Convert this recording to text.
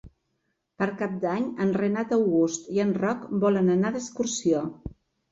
Per Cap d'Any en Renat August i en Roc volen anar d'excursió.